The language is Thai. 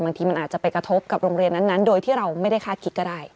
บางทีมันอาจจะไปกระทบกับโรงเรียนนั้นโดยที่เราไม่ได้คาดคิดก็ได้